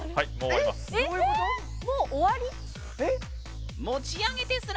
もう終わります。